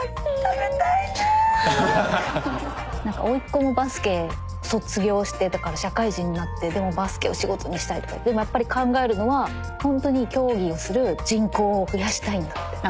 なんかおいっ子もバスケ卒業してだから社会人になってでもバスケを仕事にしたいとか言ってでもやっぱり考えるのはほんとに競技をする人口を増やしたいんだって。